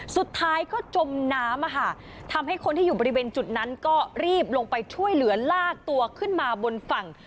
สุดท้ายก็จมน้ำทำให้คนที่อยู่บริเวณจุดนั้นก็รีบลงไปช่วยเหลือลากตัวขึ้นมาบนฝั่ง